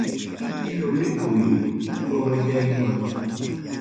Cielo ripuy wawallaywan.